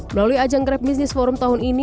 melalui ajang grabbusiness forum tahun ini